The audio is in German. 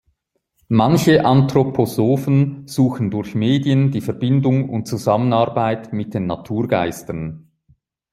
Manche Anthroposophen suchen durch Medien die Verbindung und Zusammenarbeit mit den Naturgeistern.